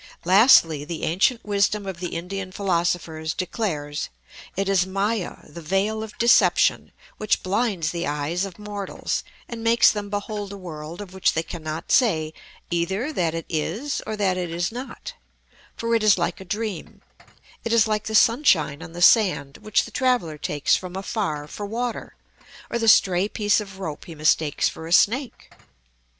Lastly, the ancient wisdom of the Indian philosophers declares, "It is Mâyâ, the veil of deception, which blinds the eyes of mortals, and makes them behold a world of which they cannot say either that it is or that it is not: for it is like a dream; it is like the sunshine on the sand which the traveller takes from afar for water, or the stray piece of rope he mistakes for a snake."